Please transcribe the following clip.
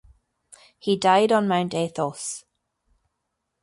He died on Mount Athos.